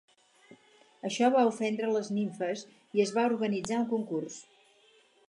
Això va ofendre les nimfes, i es va organitzar un concurs.